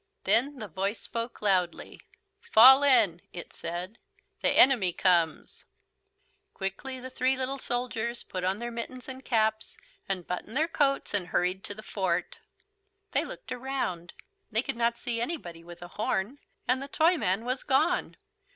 Then the voice spoke loudly: "Fall in," it said. "The enemy comes!" Quickly the three little soldiers put on their mittens and caps, and buttoned their coats, and hurried to the fort. They looked around. They could not see anybody with a horn. And the Toyman was gone.